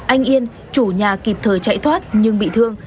anh yên chủ nhà kịp thời chạy thoát nhưng bị thương